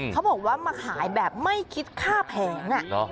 เขาบอกว่ามาขายแบบไม่คิดค่าแผง